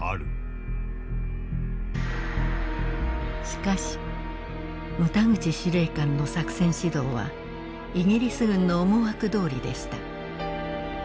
しかし牟田口司令官の作戦指導はイギリス軍の思惑どおりでした。